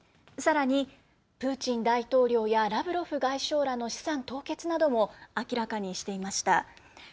さらに、プーチン大統領やラブロフ外相らの資産凍結なども明らかにしていました。